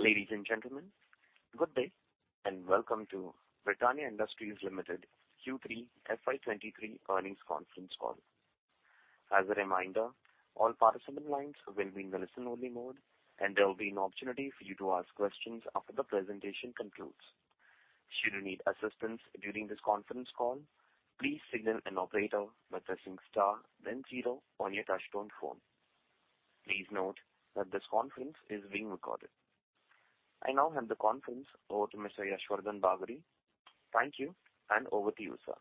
Ladies and gentlemen, good day, and welcome to Britannia Industries Limited Q3 FY '23 earnings conference call.I now hand the conference over to Mr. Yash Vardhan Bagri. Thank you, and over to you, sir.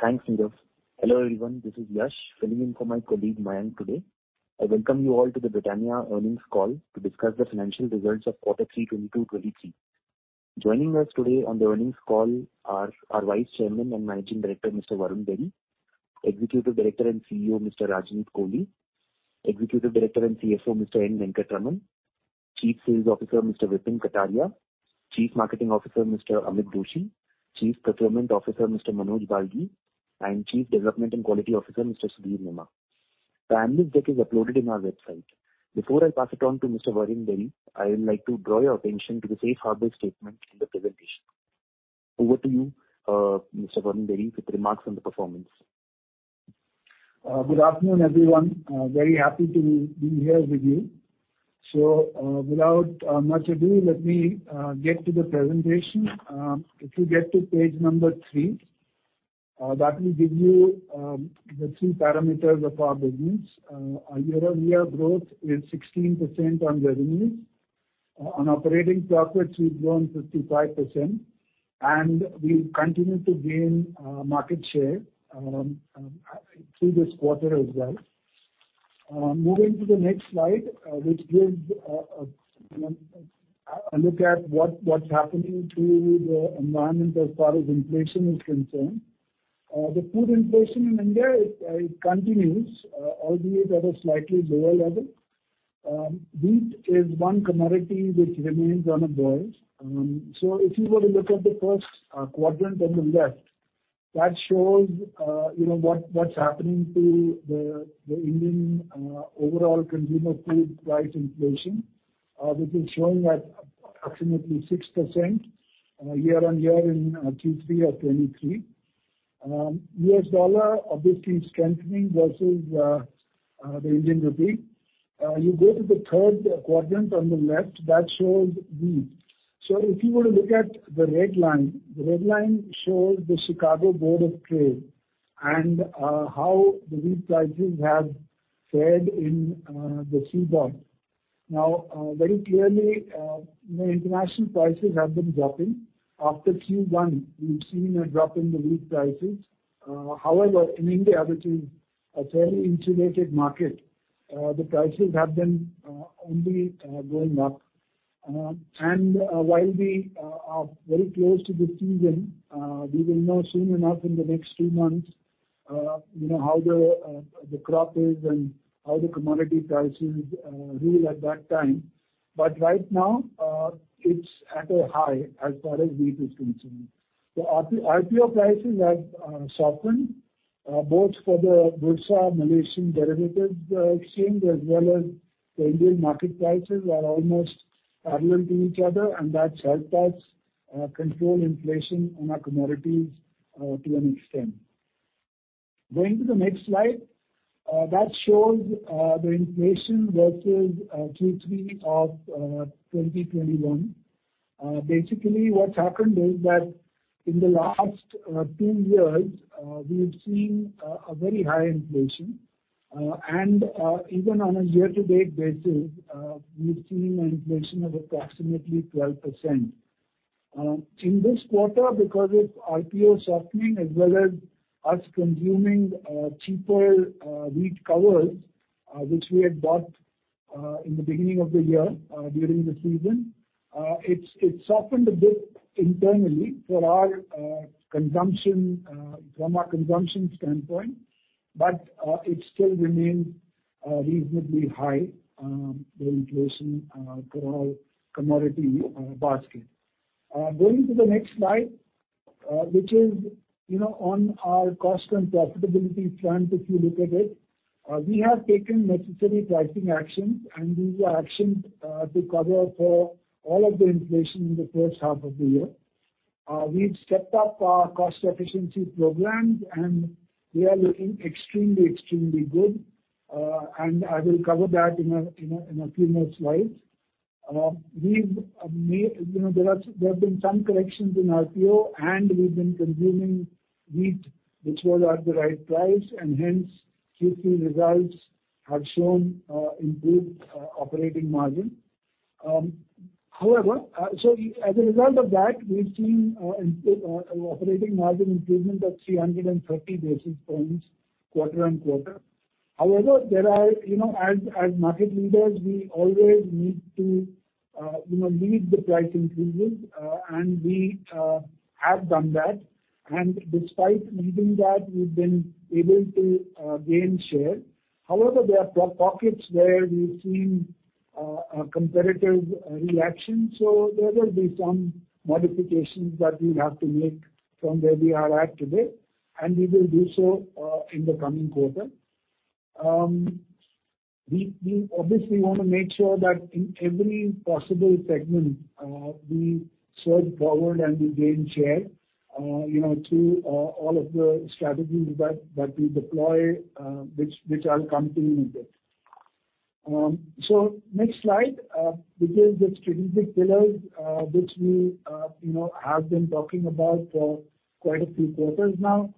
Thanks, Nirav. Hello, everyone. This is Yash, filling in for my colleague, Mayank, today. I welcome you all to the Britannia earnings call to discuss the financial results of Q3 FY 2023. Joining us today on the earnings call are our Vice Chairman and Managing Director, Mr. Varun Berry; Executive Director and CEO, Mr. Rajneet Kohli; Executive Director and CFO, Mr. N. Venkataraman; Chief Sales Officer, Mr. Vipin Kataria; Chief Marketing Officer, Mr. Amit Doshi; Chief Procurement Officer, Mr. Manoj Balgi; and Chief Development and Quality Officer, Mr. Sudhir Nema. The analyst deck is uploaded on our website. Before I pass it on to Mr. Varun Berry, I would like to draw your attention to the safe harbor statement in the presentation. Over to you, Mr. Varun Berry, with remarks on the performance. Good afternoon, everyone. Very happy to be here with you. Without furthur ado, let me get to the presentation. If you get to page number 3, that will give you the 3 parameters of our business. Our year-over-year growth is 16% on the revenues. On operating profits, we've grown 55%, and we continue to gain market share through this quarter as well. Moving to the next slide, which gives a look at what's happening to the environment as far as inflation is concerned. The food inflation in India, it continues, albeit at a slightly lower level. Wheat is one commodity which remains on a boil. If you were to look at the first quadrant on the left, that shows, you know, what's happening to the Indian overall consumer food price inflation, which is showing at approximately 6% year-on-year in Q3 of 2023. U.S. dollar strengthening versus the Indian rupee. You go to the third quadrant on the left, that shows wheat. If you were to look at the red line, the red line shows the Chicago Board of Trade and how the wheat prices have fared in the CBOT. Very clearly, you know, international prices have been dropping. After Q1, we've seen a drop in the wheat prices. However, in India, which is a fairly insulated market, the prices have been only going up. While we are very close to the season, we will know soon enough in the next two months, you know, how the crop is and how the commodity prices rule at that time. Right now, it's at a high as far as wheat is concerned. The RP-RPO prices have softened both for the Bursa Malaysia Derivatives xchange, as well as the Indian market prices are almost parallel to each other, and that's helped us control inflation on our commodities to an extent. Going to the next slide. That shows the inflation versus Q3 of 2021. Basically, what's happened is that in the last 2 years, we've seen a very high inflation, and even on a year-to-date basis, we've seen an inflation of approximately 12%. In this quarter, because of RPO softening as well as us consuming cheaper wheat covers, which we had bought in the beginning of the year, during the season, it's softened a bit internally for our consumption from a consumption standpoint, but it still remains reasonably high, the inflation for our commodity basket. Going to the next slide, which is, you know, on our cost and profitability front, if you look at it, we have taken necessary pricing actions. These are actions to cover for all of the inflation in the first half of the year. We've stepped up our cost efficiency programs. We are looking extremely good. I will cover that in a few more slides. We've made... You know, there have been some corrections in RPO. We've been consuming wheat which was at the right price. Hence Q3 results have shown improved operating margin. However, as a result of that, we've seen operating margin improvement of 330 basis points quarter on quarter. There are as market leaders, we always need to lead the price increases, and we have done that. Despite leading that, we've been able to gain share. There are pockets where we've seen a competitive reaction. There will be some modifications that we'll have to make from where we are at today, and we will do so in the coming quarter. We want make sure that in every possible segment, we surge forward and we gain share through all of the strategies that we deploy, which I'll come to in a bit. Next slide, which is the strategic pillars, which we, you know, have been talking about for quite a few quarters now,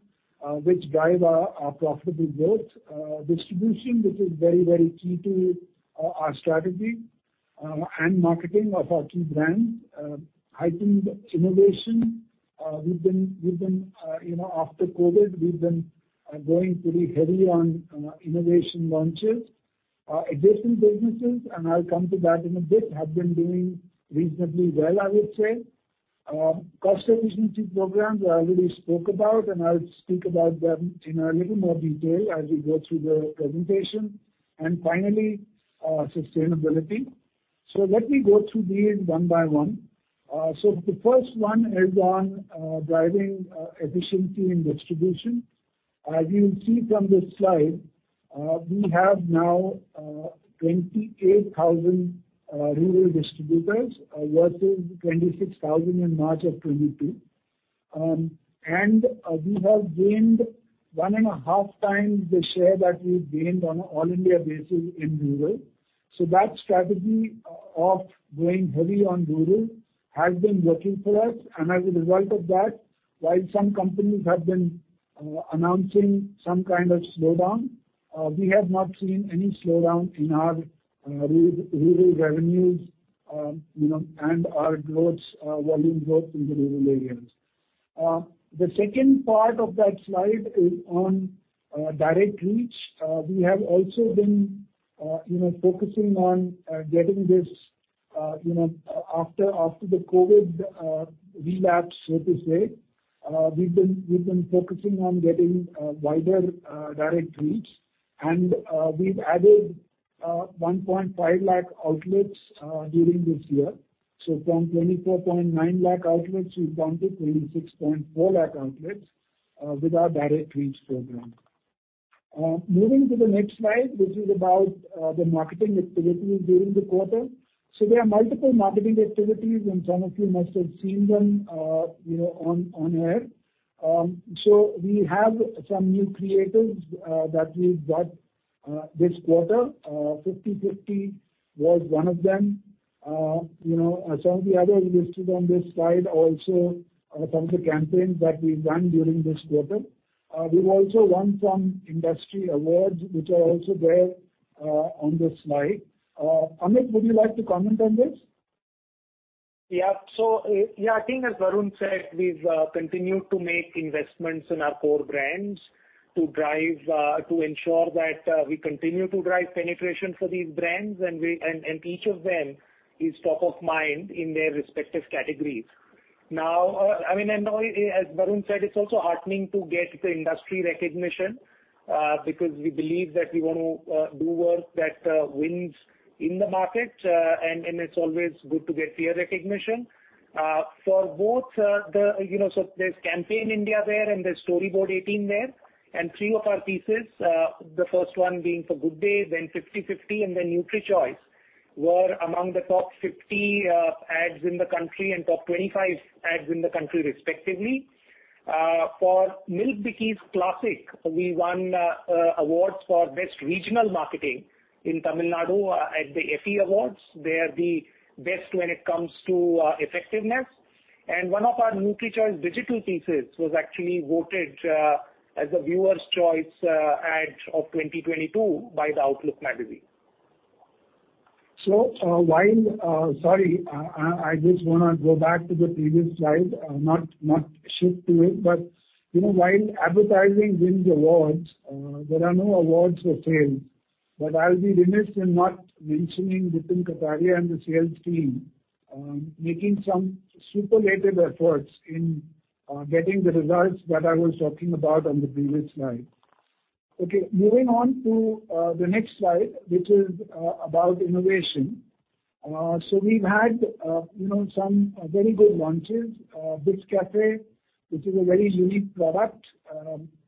which drive our profitable growth. Distribution, which is very, very key to our strategy, and marketing of our key brands. Heightened innovation. We've been, you know, after COVID, we've been going pretty heavy on innovation launches. Adjacent businesses, and I'll come to that in a bit, have been doing reasonably well, I would say. Cost efficiency programs, I already spoke about, and I'll speak about them in a little more detail as we go through the presentation. Finally, sustainability. Let me go through these one by one. The first one is on driving efficiency in distribution. As you'll see from this slide, we have now 28,000 rural distributors versus 26,000 in March of 2022. We have gained one and a half times the share that we gained on an all-India basis in rural. That strategy of going heavy on rural has been working for us. As a result of that, while some companies have been announcing some kind of slowdown, we have not seen any slowdown in our rural revenues, you know, and our growth, volume growth in the rural areas. The second part of that slide is on direct reach. We have also been, you know, focusing on getting this, you know... After the COVID relapse, we've been focusing on getting wider direct reach. We've added 1.5 lakh outlets during this year. From 24.9 lakh outlets, we've gone to 26.4 lakh outlets with our direct reach program. Moving to the next slide, which is about the marketing activities during the quarter. There are multiple marketing activities, and some of you must have seen them, you know, on air. We have some new creatives that we got this quarter. Fifty50 was one of them. You know, some of the others listed on this slide also are some of the campaigns that we've done during this quarter. We've also won some industry awards, which are also there on this slide. Amit, would you like to comment on this? Yeah. I think as Varun said, we've continued to make investments in our core brands to drive to ensure that we continue to drive penetration for these brands. Each of them is top of mind in their respective categories. I know as Varun said, it's also heartening to get the industry recognition because we believe that we wanna do work that wins in the market, and it's always good to get peer recognition. For both, you know, so there's Campaign India there and there's Storyboard18 there. Three of our pieces, the first one being for Good Day, then Fifty50, and then Nutrichoice, were among the top 50 ads in the country and top 25 ads in the country respectively. For Milk Bikis Classic, we won awards for Best Regional Marketing in Tamil Nadu at the Effie Awards. These awards recognize effectiveness in marketing. One of our NutriChoice digital pieces was actually voted as a viewer's choice ad of 2022 by the Outlook Magazine. Sorry, I just wanna go back to the previous slide, not shift to it. You know, while advertising wins awards, there are no awards for sales. I'll be remiss in not mentioning Vipin Kataria and the sales team, making some superlative efforts in getting the results that I was talking about on the previous slide. Okay, moving on to the next slide, which is about innovation. We've had, you know, some very good launches. Biscafe, which is a very unique product,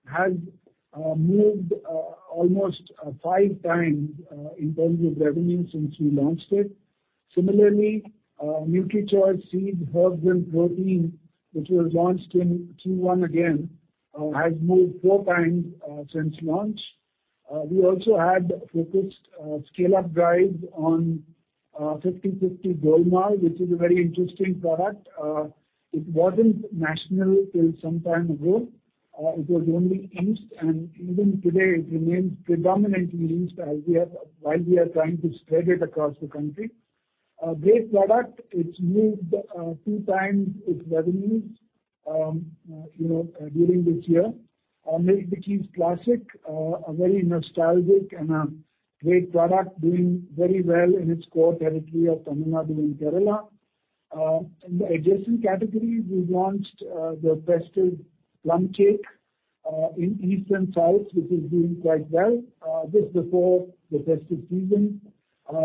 has moved almost 5 times in terms of revenue since we launched it. Similarly, NutriChoice Seed Herb and Protein, which was launched in Q1 again, has moved 4 times since launch. We also had focused scale-up drive on 50-50 Golmaal, which is a very interesting product. It wasn't national till some time ago. It was only East. Even today it remains predominantly East as we are trying to spread it across the country. A great product. It's moved 2 times its revenues, you know, during this year. Milk Bikis Classic, a very nostalgic and a great product doing very well in its core territory of Tamil Nadu and Kerala. In the adjacent category, we've launched the Festive Plum Cake in East and South, which is doing quite well, just before the festive season.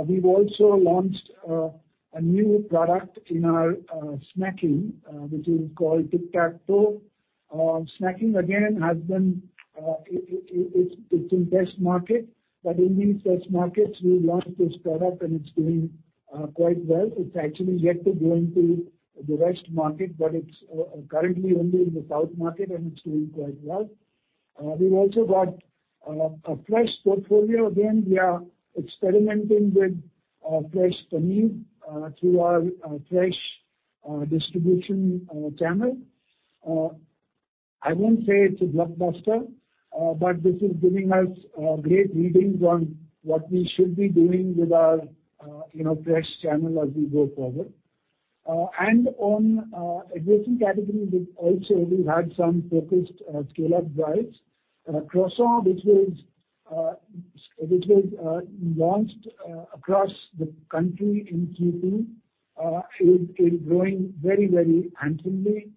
We've also launched a new product in our snacking, which is called Tic Tac Toe. Snacking again has been, it's in test market. In these test markets, we've launched this product, and it's doing quite well. It's actually yet to go into the rest market, but it's currently only in the South market, and it's doing quite well. We've also got a fresh portfolio. Again, we are experimenting with fresh paneer through our fresh distribution channel. I won't say it's a blockbuster, but this is giving us great readings on what we should be doing with our, you know, fresh channel as we go forward. On adjacent categories we've also, we've had some focused scale-up drives. Croissant, which was launched across the country in Q2, is growing very handsomely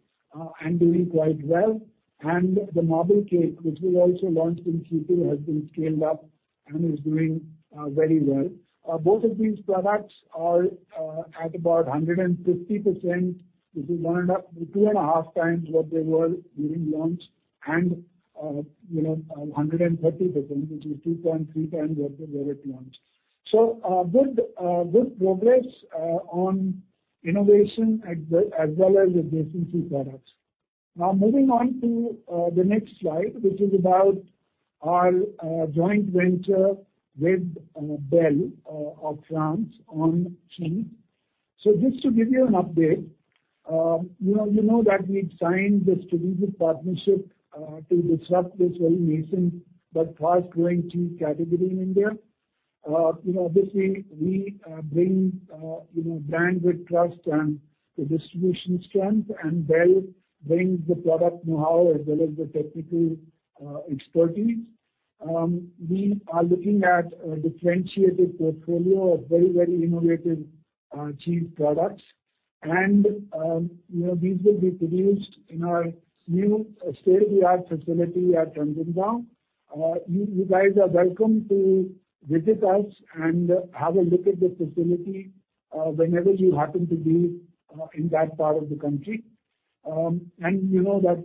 and doing quite well. The marble cake, which we also launched in Q2, has been scaled up and is doing very well. Both of these products are at about 150%, which is lined up 2.5 times what they were during launch and, you know, 130%, which is 2.3 times what they were at launch. Good, good progress on innovation as well, as well as adjacent key products. Moving on to the next slide, which is about our joint venture with Bel of France on cheese. Just to give you an update, you know, you know that we've signed the strategic partnership to disrupt this very nascent but fast-growing cheese category in India. You know, this will... We bring, you know, brand with trust and the distribution strength, and Bel brings the product know-how as well as the technical expertise. We are looking at a differentiated portfolio of very, very innovative cheese products. You know, these will be produced in our new state-of-the-art facility at Ranjangaon. You guys are welcome to visit us and have a look at the facility whenever you happen to be in that part of the country. You know that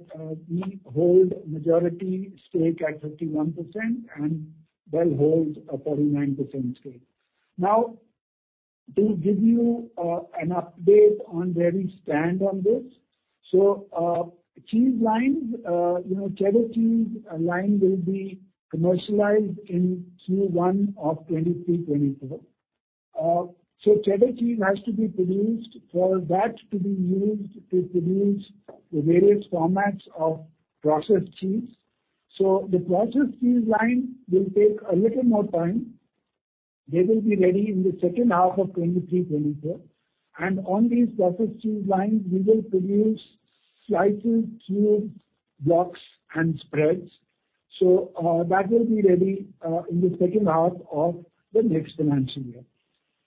we hold majority stake at 51%, and Bel holds a 49% stake. Now, to give you an update on where we stand on this. Cheese lines, you know, cheddar cheese line will be commercialized in Q1 of 2023-2024. Cheddar cheese has to be produced for that to be used to produce the various formats of processed cheese. The processed cheese line will take a little more time. They will be ready in the second half of 2023, 2024. On these processed cheese lines, we will produce slices, cubes, blocks, and spreads. That will be ready in the second half of the next financial year.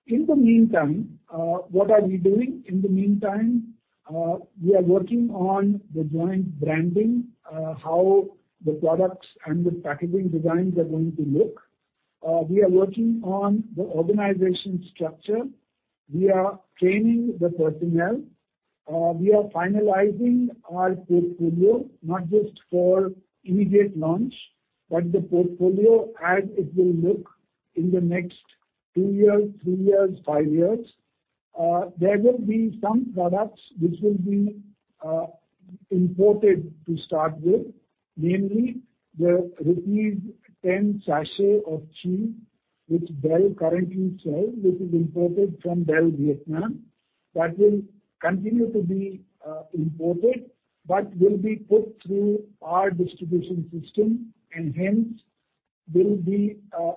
In the meantime, what are we doing? In the meantime, we are working on the joint branding, how the products and the packaging designs are going to look. We are working on the organization structure. We are training the personnel. We are finalizing our portfolio, not just for immediate launch, but the portfolio as it will look in the next two years, three years, five years. There will be some products which will be imported to start with, namely the rupees 10 sachet of cheese, which Bel currently sells, which is imported from Bel Vietnam. That will continue to be imported, but will be put through our distribution system and hence will be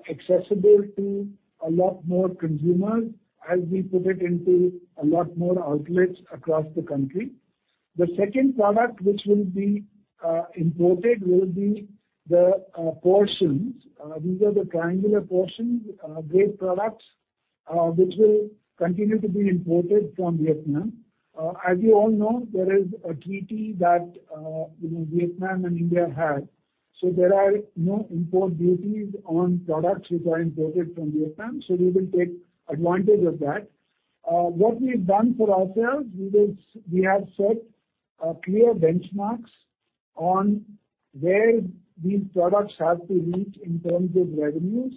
accessible to a lot more consumers as we put it into a lot more outlets across the country. The second product which will be imported will be the portions. These are the triangular portions, great products, which will continue to be imported from Vietnam. As you all know, there is a treaty that, you know, Vietnam and India have. There are no import duties on products which are imported from Vietnam, so we will take advantage of that. What we've done for ourselves, we have set clear benchmarks on where these products have to reach in terms of revenues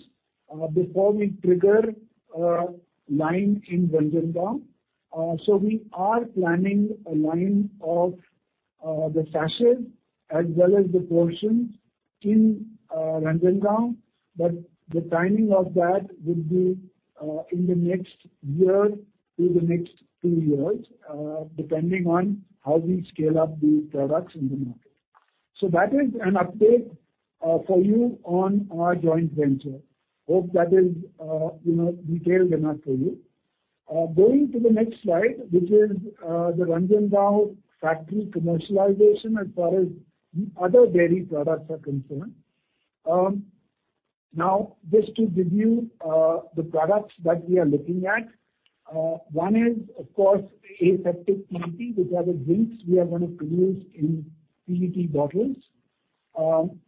before we trigger a line in Raniganj. We are planning a line of the sachets as well as the portions in Raniganj, but the timing of that will be in the next year to the next two years, depending on how we scale up the products in the market. That is an update for you on our joint venture. Hope that is, you know, detailed enough for you. Going to the next slide, which is the Raniganj factory commercialization as far as the other dairy products are concerned. Now, just to review the products that we are looking at. One is, of course, aseptic PET, which are the drinks we are going to produce in PET bottles.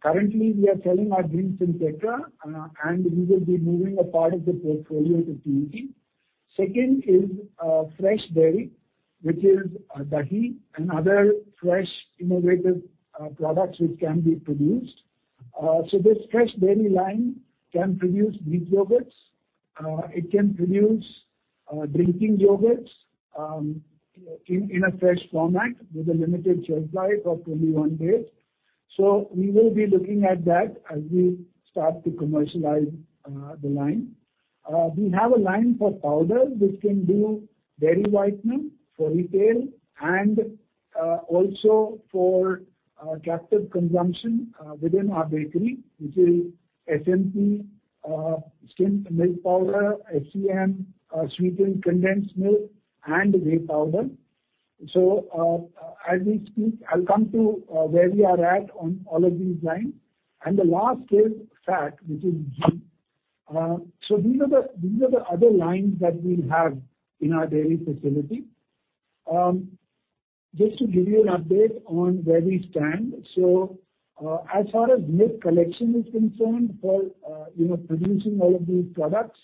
Currently, we are selling our drinks in Tetra, and we will be moving a part of the portfolio to PET. Second is fresh dairy, which is dahi and other fresh innovative products which can be produced. So this fresh dairy line can produce Greek yogurts. It can produce drinking yogurts in a fresh format with a limited shelf life of 21 days. So we will be looking at that as we start to commercialize the line. We have a line for powder, which can do dairy whitener for retail and also for captive consumption within our bakery, which is SMP, skimmed milk powder, SCM, sweetened condensed milk, and whey powder. As we speak, I'll come to where we are at on all of these lines. The last is fat, which is ghee. These are the other lines that we'll have in our dairy facility. Just to give you an update on where we stand. As far as milk collection is concerned, for, you know, producing all of these products,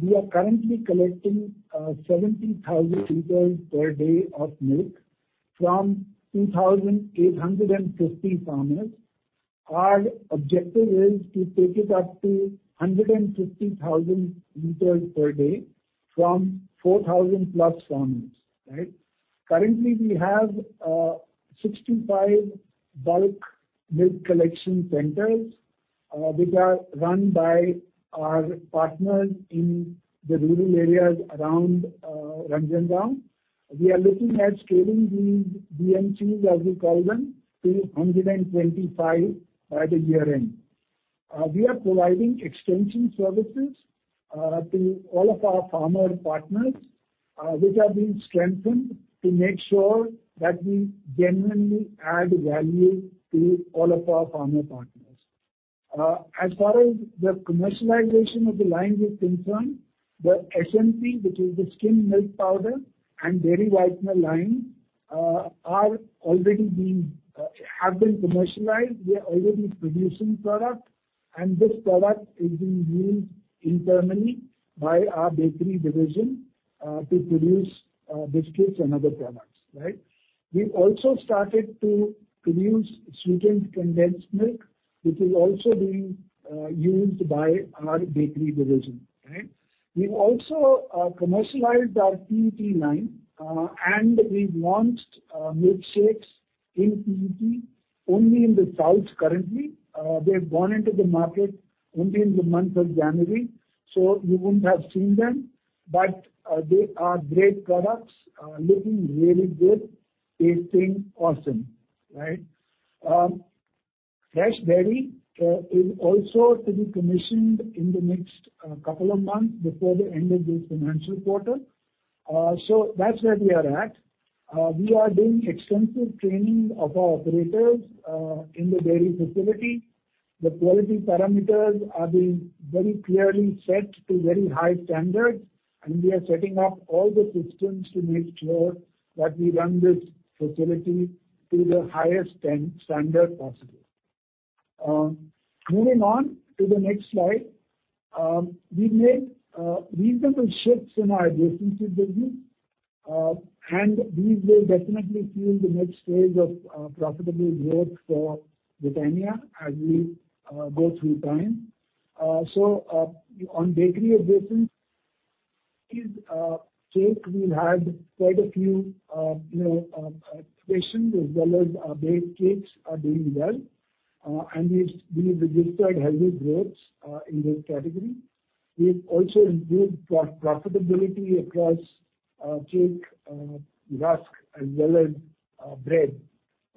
we are currently collecting 70,000 liters per day of milk from 2,850 farmers. Our objective is to take it up to 150,000 liters per day from 4,000+ farmers, right? Currently, we have 65 bulk milk collection centers, which are run by our partners in the rural areas around Ranjangaon. We are looking at scaling these BMCs, as we call them, to 125 by the year-end. We are providing extension services to all of our farmer partners, which are being strengthened to make sure that we genuinely add value to all of our farmer partners. As far as the commercialization of the line is concerned, the SMP, which is the skimmed milk powder, and dairy whitener line, have been commercialized. We are already producing product, and this product is being used internally by our bakery division to produce biscuits and other products, right? We also started to produce sweetened condensed milk, which is also being used by our bakery division, right? We've also commercialized our PET line, and we've launched milkshakes in PET only in the South currently. They've gone into the market only in the month of January, you wouldn't have seen them. They are great products, looking really good, tasting awesome, right? Fresh dairy is also to be commissioned in the next couple of months before the end of this financial quarter. That's where we are at. We are doing extensive training of our operators in the dairy facility. The quality parameters are being very clearly set to very high standards, and we are setting up all the systems to make sure that we run this facility to the highest standard possible. Moving on to the next slide. We made reasonable shifts in our adjacency business, and these will definitely fuel the next stage of profitable growth for Britannia as we go through time. On bakery adjacencies, cake, we had quite a few, you know, innovations as well as our baked cakes are doing well. We've registered healthy growths in this category. We've also improved pro-profitability across cake, rusk, as well as bread,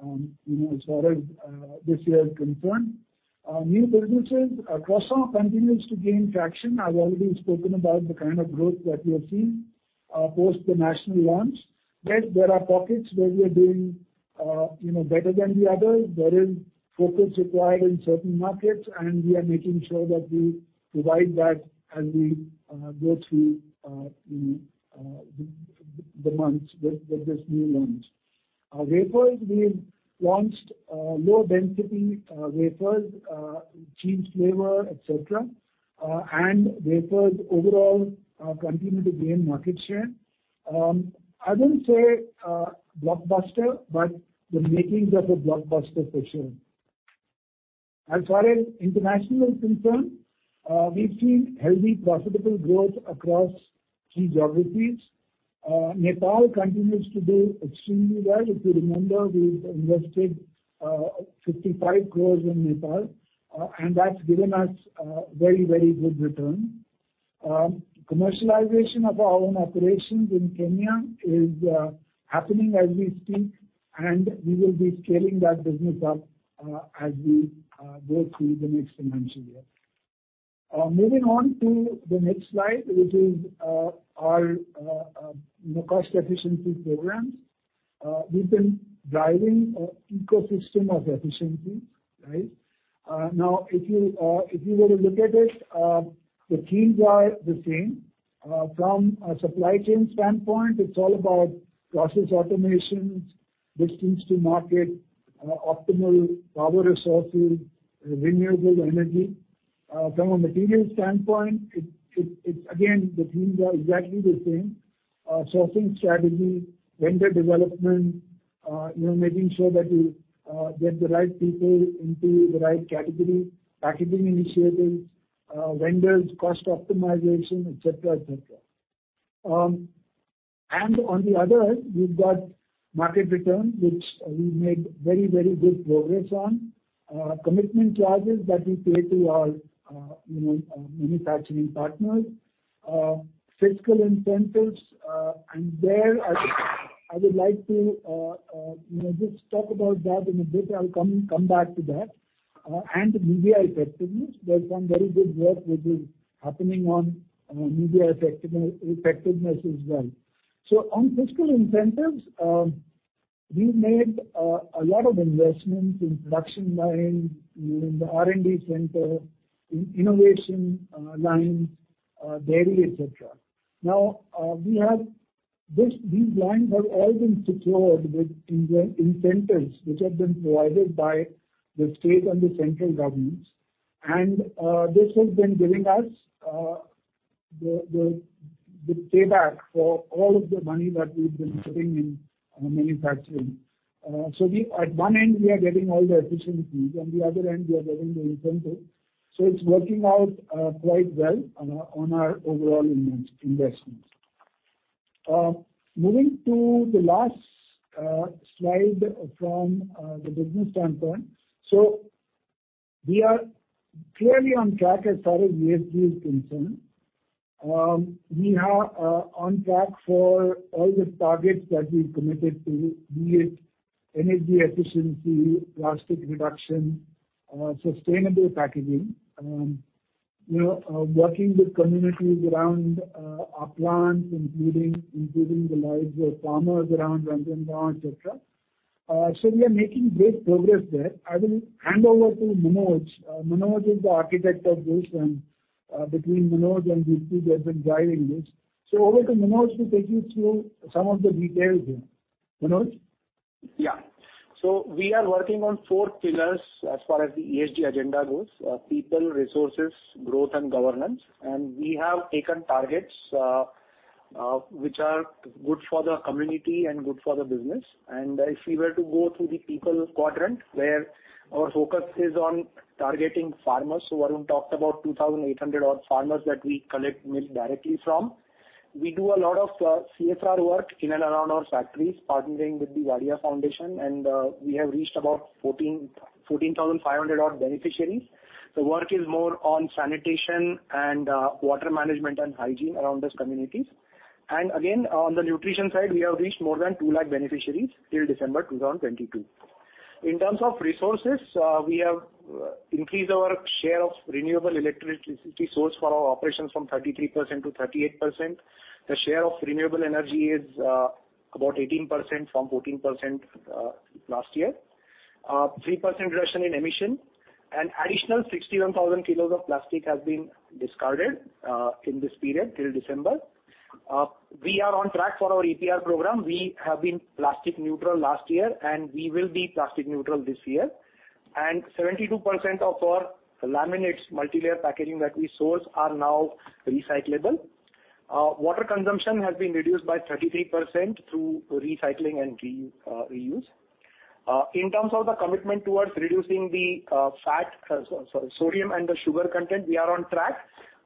you know, as far as this year is concerned. New businesses, croissant continues to gain traction. I've already spoken about the kind of growth that we are seeing post the national launch, right. There are pockets where we are doing, you know, better than the others. There is focus required in certain markets, and we are making sure that we provide that as we go through, you know, the months with this new launch. Wafers, we've launched low-density wafers, cheese flavor. Wafers overall continue to gain market share. I wouldn't say a blockbuster, but the makings of a blockbuster for sure. As far as international is concerned, we've seen healthy profitable growth across key geographies. Nepal continues to do extremely well. If you remember, we've invested 55 crores in Nepal, and that's given us very, very good return. Commercialization of our own operations in Kenya is happening as we speak, and we will be scaling that business up as we go through the next financial year. Moving on to the next slide, which is our cost efficiency programs. We've been driving a ecosystem of efficiency, right? Now, if you were to look at it, the themes are the same. From a supply chain standpoint, it's all about process automations, distance to market, optimal power resources, renewable energy. From a material standpoint, it's again, the themes are exactly the same. Sourcing strategy, vendor development, you know, making sure that you get the right people into the right category. Packaging initiatives, vendors, cost optimization. On the other, we've got market return, which we made very, very good progress on. Commitment charges that we pay to our, you know, manufacturing partners. Fiscal incentives, and there I would like to, you know, just talk about that in a bit. I'll come back to that. Media effectiveness. We've done very good work with the happening on media effectiveness as well. On fiscal incentives, we made a lot of investments in production lines, in the R&D center, in innovation lines, dairy. These lines have all been secured with incentives which have been provided by the state and the central governments. This has been giving us the payback for all of the money that we've been putting in manufacturing. We at one end, we are getting all the efficiencies, on the other end, we are getting the incentives. It's working out quite well on our overall investments. Moving to the last slide from the business standpoint. We are clearly on track as far as ESG is concerned. We are on track for all the targets that we committed to, be it energy efficiency, plastic reduction, sustainable packaging. You know, working with communities around our plants, including the lives of farmers around Raniganj. We are making great progress there. I will hand over to Manoj. Manoj is the architect of this and between Manoj and Deepti, they've been driving this. Over to Manoj to take you through some of the details here. Manoj? We are working on four pillars as far as the ESG agenda goes, people, resources, growth and governance. We have taken targets which are good for the community and good for the business. If we were to go through the people quadrant, where our focus is on targeting farmers, Varun talked about 2,800 odd farmers that we collect milk directly from. We do a lot of CSR work in and around our factories, partnering with the Wadia Foundation, we have reached about 14,500 odd beneficiaries. The work is more on sanitation and water management and hygiene around these communities. Again, on the nutrition side, we have reached more than 2 lakh beneficiaries till December 2022. In terms of resources, we have increased our share of renewable electricity source for our operations from 33% to 38%. The share of renewable energy is about 18% from 14% last year. 3% reduction in emission and additional 61,000 kilos of plastic has been discarded in this period till December. We are on track for our EPR program. We have been plastic neutral last year, we will be plastic neutral this year. 72% of our laminates multilayer packaging that we source are now recyclable. Water consumption has been reduced by 33% through recycling and reuse. In terms of the commitment towards reducing the fat, sorry, sodium and the sugar content, we are on track.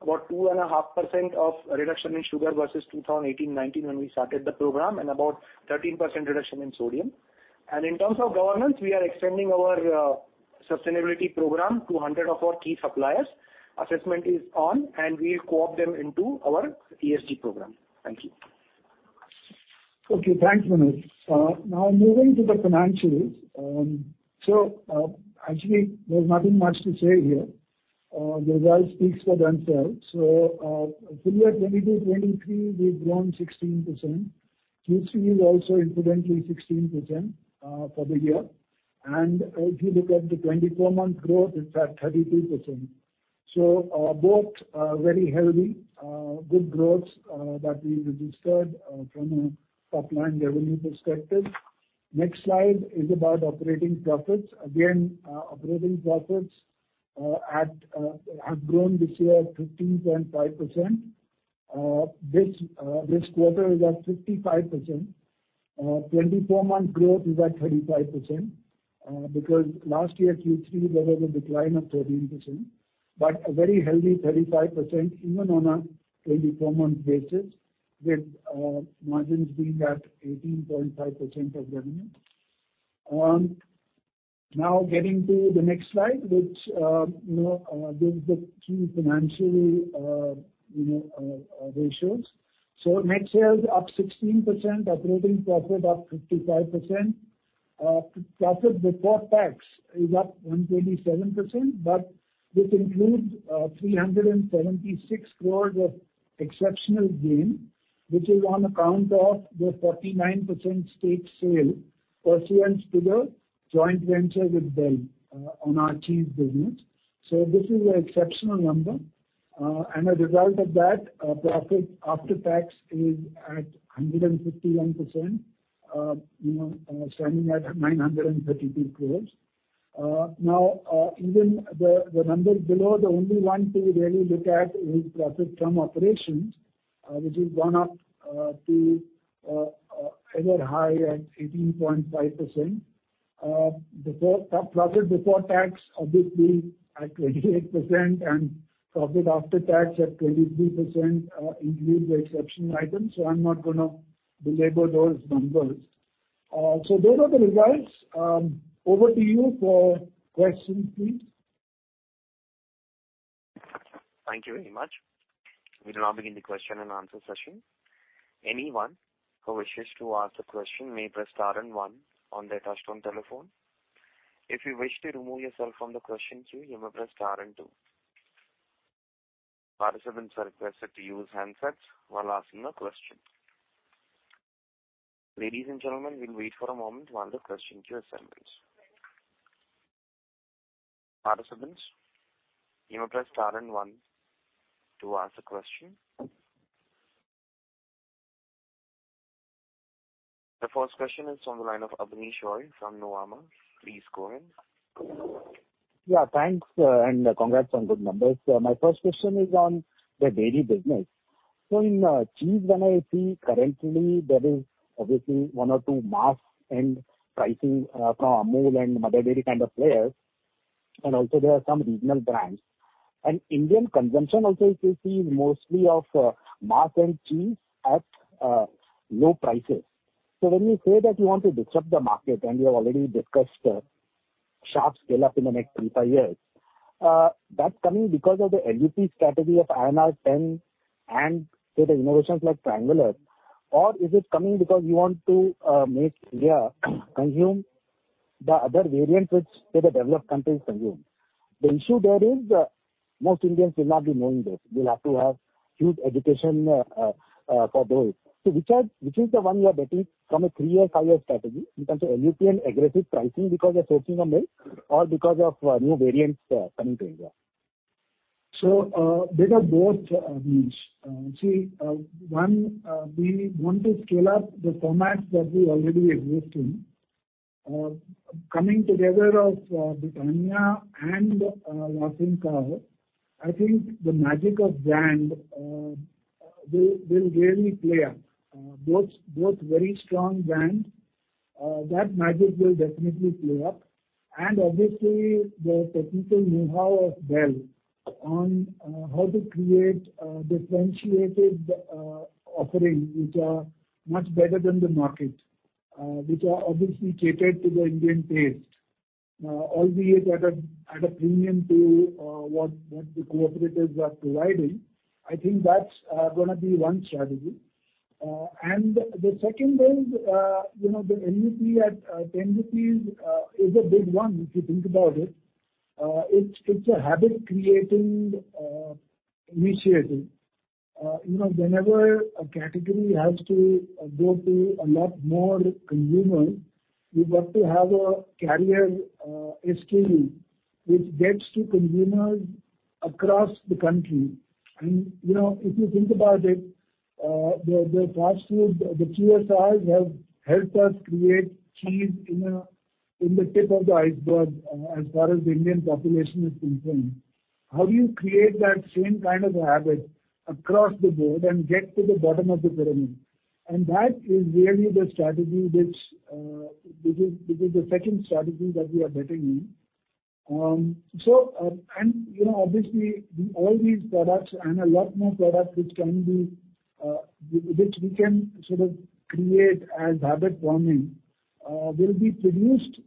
About 2 and a half% of reduction in sugar versus 2018, 2019 when we started the program, and about 13% reduction in sodium. In terms of governance, we are extending our sustainability program to 100 of our key suppliers. Assessment is on and we'll co-opt them into our ESG program. Thank you. Okay, thanks, Manoj. now moving to the financials. actually there's nothing much to say here. the results speaks for themselves. full year 2022, 2023, we've grown 16%. Q3 is also incidentally 16%, for the year. If you look at the 24-month growth, it's at 33%. both, very healthy, good growths, that we registered, from a top-line revenue perspective. Next slide is about operating profits. operating profits, at, have grown this year 15.5%. this quarter is at 55%. 24-month growth is at 35%, because last year Q3 there was a decline of 13%, but a very healthy 35% even on a 24-month basis, with, margins being at 18.5% of revenue. Now getting to the next slide, which, you know, gives the key financial ratios. Net sales up 16%, operating profit up 55%. Profit before tax is up 127%, but this includes 376 crores of exceptional gain, which is on account of the 49% stake sale pursuant to the joint venture with Bel, on our cheese business. This is an exceptional number. A result of that, profit after tax is at 151%, you know, standing at 932 crores. Now, even the numbers below, the only one to really look at is profit from operations, which has gone up to ever high at 18.5%. Profit before tax, at 28% and profit after tax at 23%, include the exceptional items. I'm not gonna belabor those numbers. Those are the results. Over to you for questions, please. Thanks, congrats on good numbers. My first question is on the dairy business. In cheese, when I see currently there is one or two mass and pricing from Amul and Mother Dairy kind of players, and also there are some regional brands. Indian consumption also if you see mostly of mass and cheese at low prices. When you say that you want to disrupt the market, and you have already discussed a sharp scale-up in the next three, five years, that's coming because of the LUP strategy of INR 10 and say the innovations like Triangular, or is it coming because you want to make India consume the other variants which say the developed countries consume? The issue there is most Indians will not be knowing this. They'll have to have huge education for those. Which is the one you are betting from a three-year, five-year strategy in terms of LUP and aggressive pricing because you're sourcing a milk or because of new variants coming to India? These are both niche. We want to scale up the formats that we already exist in. Coming together of Britannia and Wafic Saade, I think the magic of brand will really play up. Both very strong brand, that magic will definitely play up. The technical know-how of Bel on how to create differentiated offerings which are much better than the market, which are catered to the Indian taste, albeit at a premium to what the cooperatives are providing. I think that's gonna be one strategy. The second is, you know, the LUP at 10 rupees is a big one, if you think about it. It's a habit creating, initiating. You know, whenever a category has to go to a lot more consumers, you've got to have a carrier, SKU, which gets to consumers across the country. You know, if you think about it, the fast food, the QSRs have helped us create cheese in the tip of the iceberg, as far as the Indian population is concerned. How do you create that same kind of habit across the board and get to the bottom of the pyramid? That is really the strategy which is the second strategy that we are betting in. You know, all these products and a lot more products which can be, which we can sort of create as habit forming, will be produced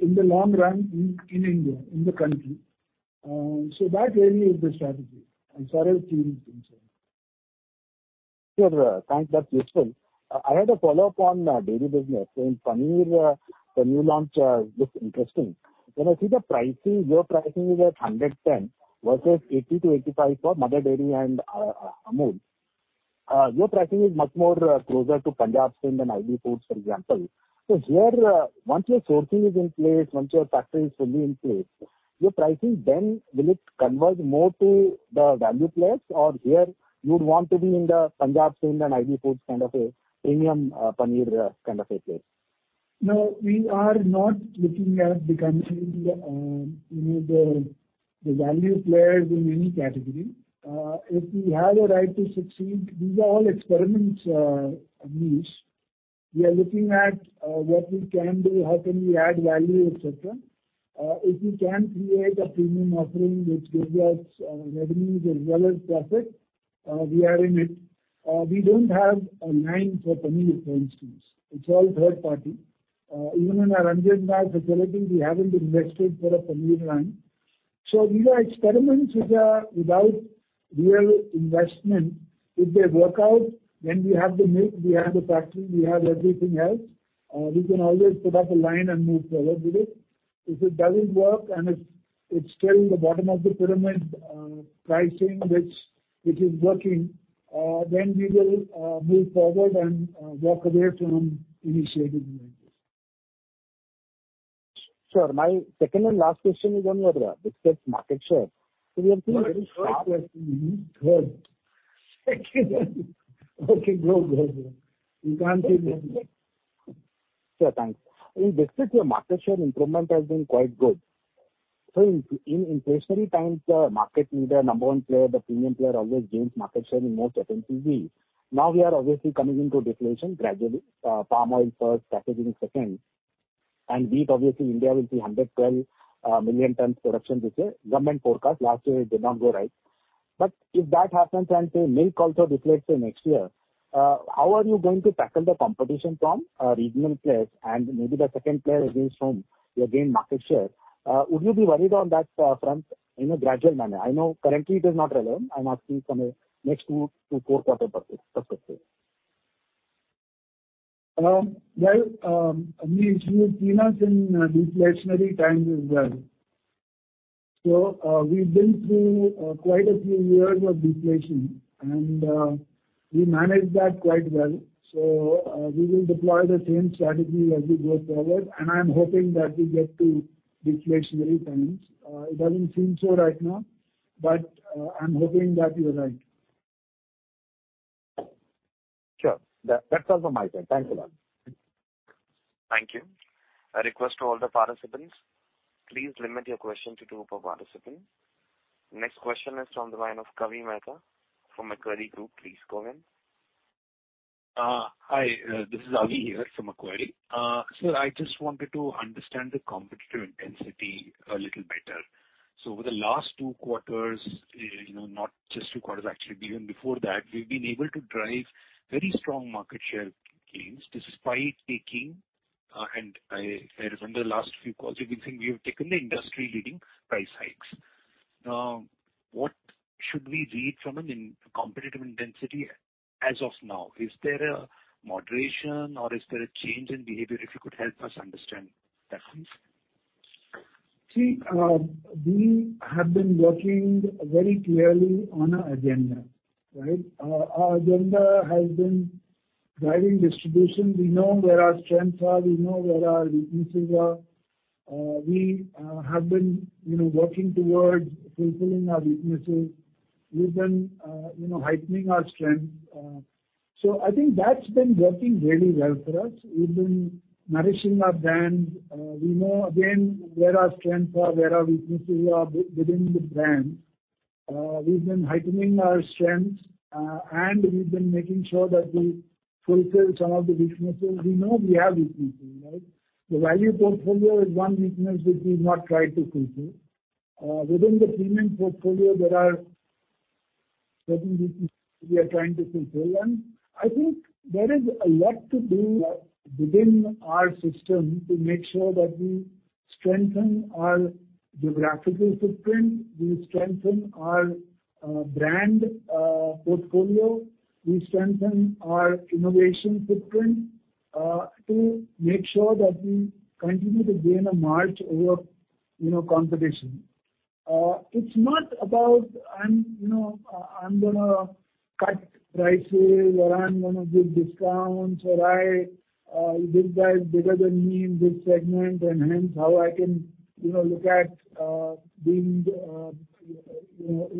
in the long run in India, in the country. That really is the strategy as far as cheese is concerned. Sure. Thanks. That's useful. I had a follow-up on dairy business. In Paneer, the new launch looks interesting. When I see the pricing, your pricing is at 110 versus 80-85 for Mother Dairy and Amul. Your pricing is much more closer to Punjab Sind and IG International, for example. Here, once your sourcing is in place, once your factory is fully in place, your pricing then will it converge more to the value players? Or here you would want to be in the Punjab Sind and IG International kind of a premium paneer kind of a place? No, we are not looking at becoming, you know, the value players in any category. If we have a right to succeed, these are all experiments, niche. We are looking at, what we can do, how can we add value. If we can create a premium offering which gives us, revenues as well as profit-We are in it. We don't have a line for paneer, for instance. It's all third party. Even in our Ranjangaon facility, we haven't invested for a paneer line. These are experiments which are without real investment. If they work out, then we have the milk, we have the factory, we have everything else. We can always put up a line and move forward with it. If it doesn't work and it's still in the bottom of the pyramid pricing which is working, then we will move forward and walk away from initiatives like this. Sure. My second and last question is on your, biscuit market share. We have seen very. Please go ahead. Sure. Thanks. In biscuits, your market share improvement has been quite good. In inflationary times, market leader, number one player, the premium player always gains market share in most FMCGs. Now we are coming into deflation gradually. Palm oil first, packaging second, and wheat, India will see 112 million tons production this year. Government forecast last year did not go right. If that happens and say milk also deflates say next year, how are you going to tackle the competition from regional players and maybe the second player against whom you have gained market share? Would you be worried on that front in a gradual manner? I know currently it is not relevant. I'm asking from a next two to four quarter perspective. Well, you've seen us in deflationary times as well. We've been through quite a few years of deflation and we managed that quite well. We will deploy the same strategy as we go forward, and I'm hoping that we get to deflationary times. It doesn't seem so right now, but I'm hoping that you're right. Sure. That's all from my side. Thanks a lot. Hi, this is Avi here from Macquarie. I just wanted to understand the competitive intensity a little better. Over the last 2 quarters, you know, not just 2 quarters actually, even before that, we've been able to drive very strong market share gains despite taking, and I remember the last few calls you've been saying we have taken the industry-leading price hikes. What should we read from competitive intensity as of now? Is there a moderation or is there a change in behavior? If you could help us understand that, please. See, we have been working very clearly on our agenda, right? Our agenda has been driving distribution. We know where our strengths are, we know where our weaknesses are. We have been, you know, working towards fulfilling our weaknesses. We've been, you know, heightening our strengths. I think that's been working really well for us. We've been nourishing our brands. We know again, where our strengths are, where our weaknesses are within the brand. We've been heightening our strengths, and we've been making sure that we fulfill some of the weaknesses. We know we have weaknesses, right? The value portfolio is one weakness which we've not tried to fulfill. Within the premium portfolio, there are certain weaknesses we are trying to fulfill. I think there is a lot to do within our system to make sure that we strengthen our geographical footprint, we strengthen our brand portfolio, we strengthen our innovation footprint to make sure that we continue to gain a march over, you know, competition. It's not about I'm, you know, I'm gonna cut prices or I'm gonna give discounts or I this guy is bigger than me in this segment and hence how I can, you know, look at being, you know,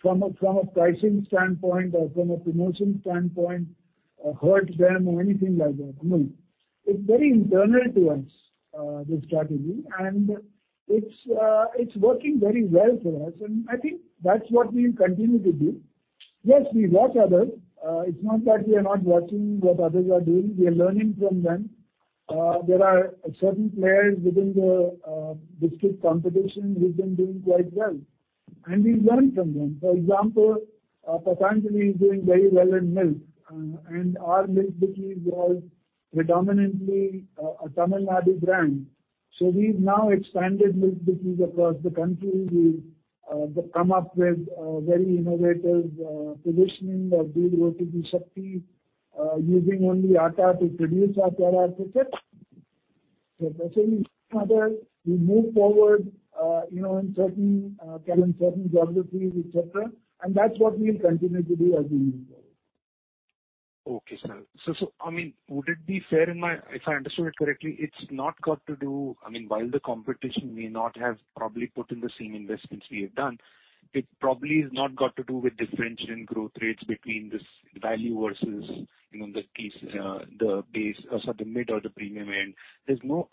from a pricing standpoint or from a promotion standpoint, hurt them or anything like that. It's very internal to us, this strategy, and it's working very well for us, and I think that's what we'll continue to do. Yes, we watch others. It's not that we are not watching what others are doing. We are learning from them. There are certain players within the biscuit competition who've been doing quite well, and we learn from them. For example, Patanjali is doing very well in milk, and our Milk Bikis was predominantly a Tamil Nadu brand. We've now expanded Milk Bikis across the country. We've come up with very innovative positioning of good roti bi shakti, using only atta to produce our paratha chips. Similarly some others, we move forward, you know, in certain certain geographies. That's what we'll continue to do as we move forward. Okay, sir. Would it be fair if I understood it correctly, it's not got to do. While the competition may not have probably put in the same investments we have done, it probably has not got to do with differential in growth rates between this value versus, you know, the piece, the base or sorry, the mid or the premium end. There's no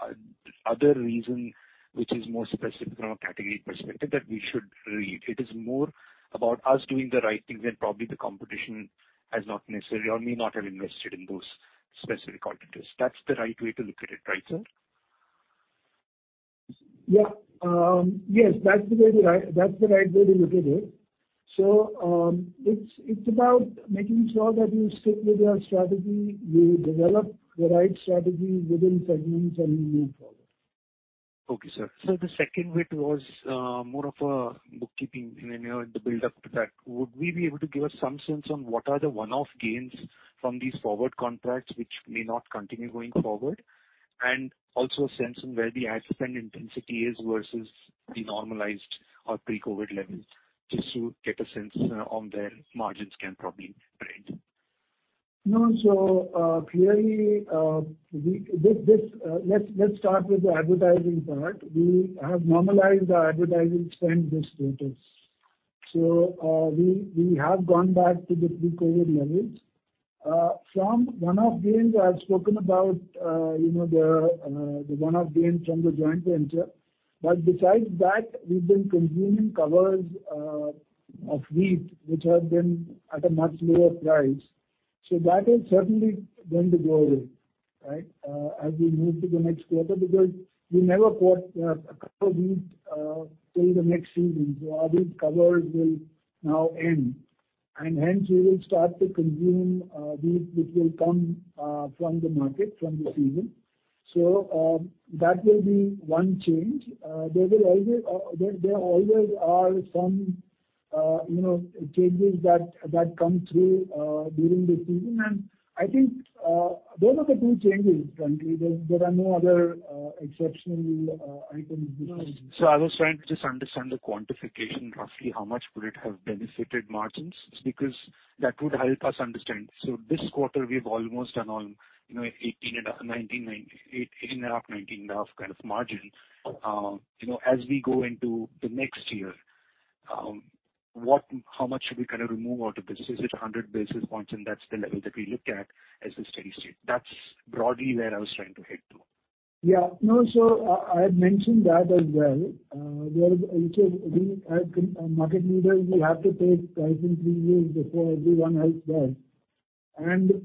other reason which is more specific from a category perspective that we should read. It is more about us doing the right thing than probably the competition has not necessarily or may not have invested in those specific categories. That's the right way to look at it, right, sir? Yeah. Yes, that's the right way to look at it. It's about making sure that you stick with your strategy, you develop the right strategy within segments, and you move forward. Okay, sir. The second bit was, more of a bookkeeping, you know, in the build up to that. Would we be able to give some sense on what are the one-off gains from these forward contracts which may not continue going forward? Also a sense on where the ad spend intensity is versus the normalized or pre-COVID levels, just to get a sense on where margins can probably trade. No. Clearly, let's start with the advertising part. We have normalized our advertising spend this quarter. We have gone back to the pre-COVID levels. Some one-off gains I have spoken about, you know, the one-off gains from the joint venture. Besides that, we've been consuming covers of wheat which have been at a much lower price. That is certainly going to go away, right, as we move to the next quarter, because we never bought a cover wheat till the next season. All these covers will now end, and hence we will start to consume wheat which will come from the market, from the season. That will be one change. There will always, there always are some, you know, changes that come through during the season. I think, those are the two changes currently. There are no other exceptional items. No. I was trying to just understand the quantification roughly, how much would it have benefited margins, because that would help us understand. This quarter we have almost done on, 18 and a half, 19 and a half kind of margin. As we go into the next year, what, how much should we kind of remove out of this? Is it 100 basis points, and that's the level that we look at as a steady state? That's broadly where I was trying to head to. No. I had mentioned that as well. There is also, we as market leaders, we have to take pricing three years before everyone else does,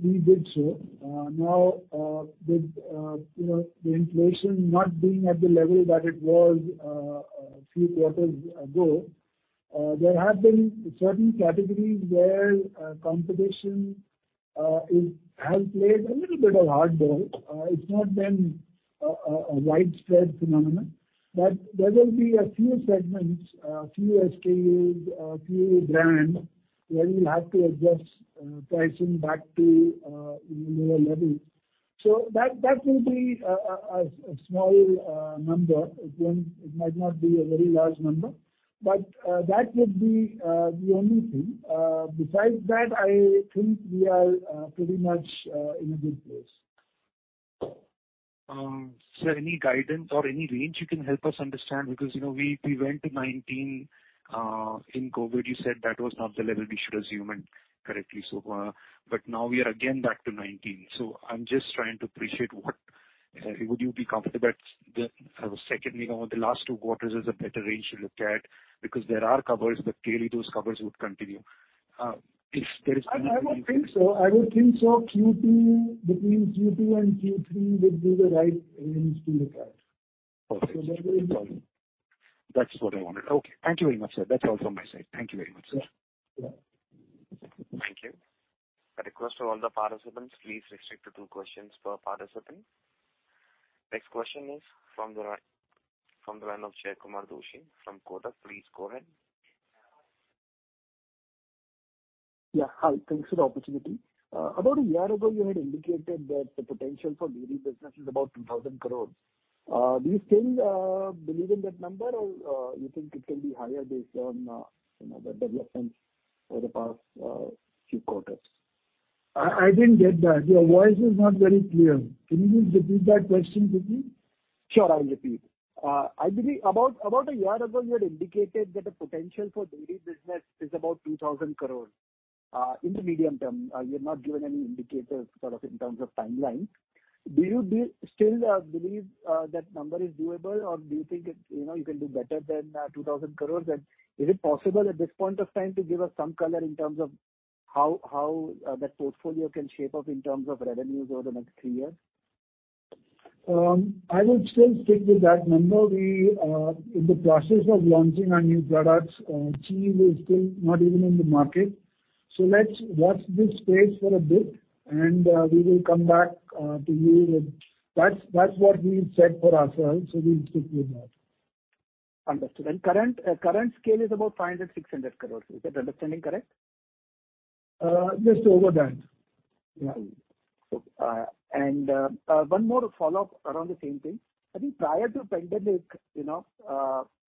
we did so. Now, with, you know, the inflation not being at the level that it was a few quarters ago, there have been certain categories where competition has played a little bit of hardball. It's not been a widespread phenomenon. There will be a few segments, a few SKUs, a few brands where we'll have to adjust pricing back to, you know, lower levels. That will be a small number. Again, it might not be a very large number. That would be the only thing. Besides that, I think we are pretty much in a good place. t to 19. In COVID, you said that was not the level we should assume, and correctly so. But now we are again back to 19. I'm just trying to appreciate what would you be comfortable that the, secondly, you know, the last two quarters is a better range to look at because there are covers, but clearly those covers would continue if there is- I don't think so. I would think so Q2, between Q2 and Q3 would be the right range to look at. Okay. So that will- That's what I wanted. Okay. Thank you very much, sir. That's all from my side. Thank you very much, sir. Yeah. Yeah. Hi. Thanks for the opportunity. About a year ago, you had indicated that the potential for dairy business is about 2,000 crores. Do you still believe in that number, or you think it can be higher based on, you know, the developments over the past few quarters? I didn't get that. Your voice is not very clear. Can you just repeat that question quickly? Sure, I'll repeat. I believe about a year ago you had indicated that the potential for dairy business is about 2,000 crores in the medium term. You have not given any indicators sort of in terms of timelines. Do you still believe that number is doable? Or do you think it, you know, you can do better than 2,000 crores? Is it possible at this point of time to give us some color in terms of how that portfolio can shape up in terms of revenues over the next 3 years? I would still stick with that number. We are in the process of launching our new products. cheese is still not even in the market. Let's watch this space for a bit, and we will come back to you with... That's, that's what we said for ourselves, so we'll stick with that. Understood. Current scale is about 500 crores-600 crores. Is that understanding correct? just over that. Yeah. Okay. One more follow-up around the same thing. I think prior to pandemic, you know,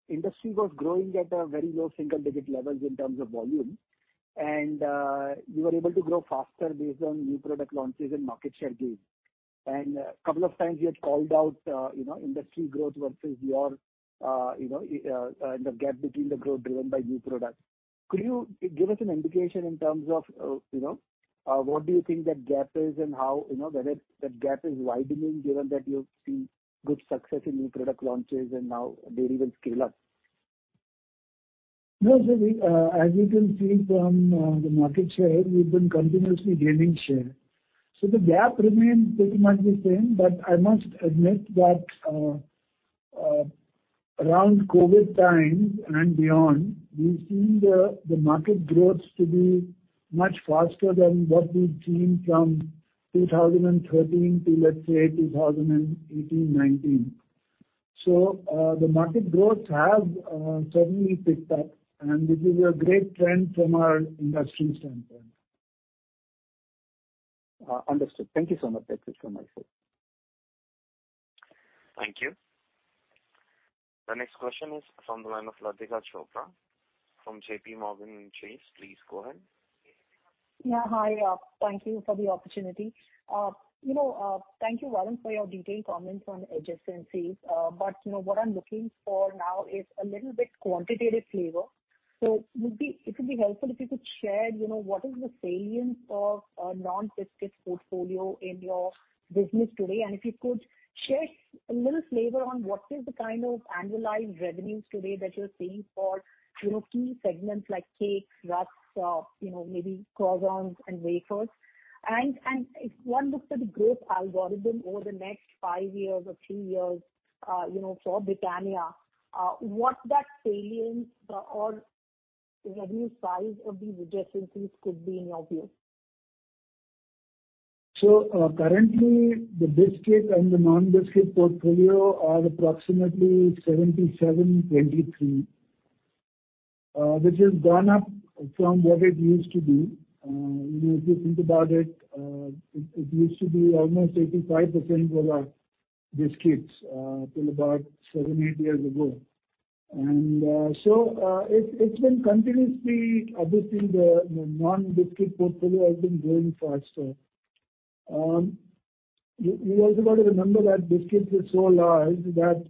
industry was growing at a very low single-digit levels in terms of volume. You were able to grow faster based on new product launches and market share gains. A couple of times you had called out, you know, industry growth versus your, you know, the gap between the growth driven by new products. Could you give us an indication in terms of, you know, what do you think that gap is and how, you know, whether that gap is widening given that you've seen good success in new product launches and now dairy will scale up? We, as you can see from the market share, we've been continuously gaining share. The gap remains pretty much the same, but I must admit that around COVID times and beyond, we've seen the market growth to be much faster than what we've seen from 2013 to, let's say, 2018-19. The market growth have certainly picked up, and this is a great trend from our industry standpoint. Understood. Thank you so much. That's it from my side. Latika Chopra from JPMorgan Chase. Yeah, hi. Thank you for the opportunity. You know, thank you, Varun, for your detailed comments on adjacencies. You know, what I'm looking for now is a little bit quantitative flavor. It would be helpful if you could share, you know, what is the salience of non-biscuits portfolio in your business today. If you could share a little flavor on what is the kind of annualized revenues today that you're seeing for, you know, key segments like cakes, rusks, you know, maybe croissants and wafers. If one looks at the growth algorithm over the next 5 years or 3 years, you know, for Britannia, what that salience or revenue size of these adjacencies could be in your view? Currently, the biscuit and the non-biscuits portfolio are approximately 77%, 23%, which has gone up from what it used to be. You know, if you think about it used to be almost 85% were our biscuits till about seven, eight years ago. It's been continuously the non-biscuits portfolio has been growing faster. You also got to remember that biscuits is so large that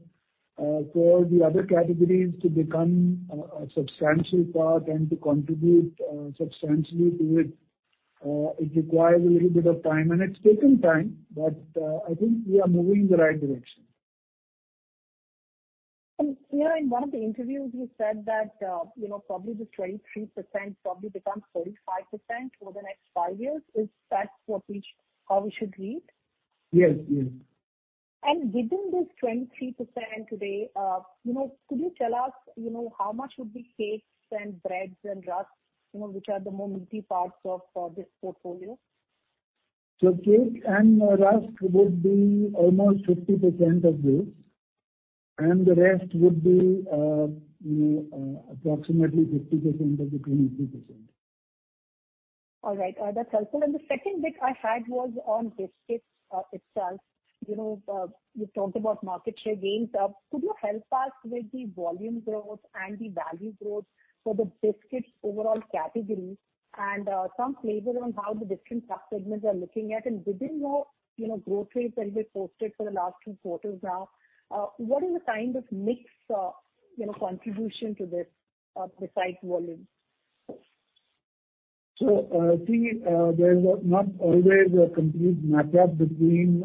for the other categories to become a substantial part and to contribute substantially to it requires a little bit of time. It's taken time, but I think we are moving in the right direction. Varun, in one of the interviews you said that, you know, probably this 23% probably become 35% over the next five years. Is that how we should read? Yes. Yes. Within this 23% today, you know, could you tell us, you know, how much would be cakes and breads and rusks, you know, which are the more meaty parts of this portfolio? Cake and rusk would be almost 50% of this, and the rest would be, you know, approximately 50% of the 23%. All right. That's helpful. The second bit I had was on biscuits itself. You know, you talked about market share gains. Could you help us with the volume growth and the value growth for the biscuits overall category? Some flavor on how the different subsegments are looking at. Within your, you know, growth rates that you've posted for the last two quarters now, what is the kind of mix, you know, contribution to this precise volume? See, there's not always a complete match up between